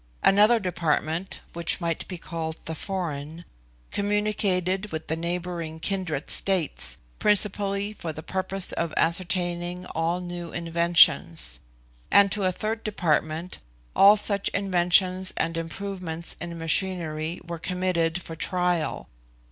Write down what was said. Another department, which might be called the foreign, communicated with the neighbouring kindred states, principally for the purpose of ascertaining all new inventions; and to a third department all such inventions and improvements in machinery were committed for trial.